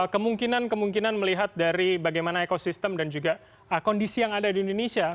kemungkinan kemungkinan melihat dari bagaimana ekosistem dan juga kondisi yang ada di indonesia